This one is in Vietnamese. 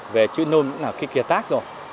về chữ nôn cũng là cái kiệt tác rồi